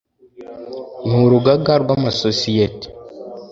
N urugaga rw amasosiyete